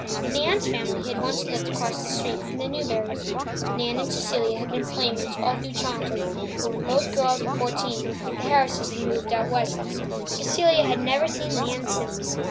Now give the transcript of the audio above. Nan's family had once lived across the street from the Newburys. Nan and Cecilia had been playmates all through childhood, but when both girls were fourteen the Harrises had moved out west. Cecilia had never seen Nan since.